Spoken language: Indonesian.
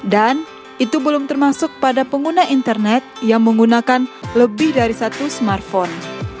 dan itu belum termasuk pada pengguna internet yang menggunakan lebih dari satu smartphone